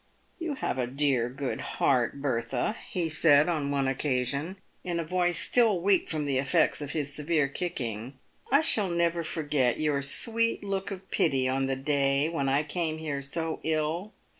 "You have a dear, good heart, Bertha," he said, on one occasion, in a voice still weak from the effects of his severe kicking. " I shall never forget your sweet look of pity on the day when I came here so ill.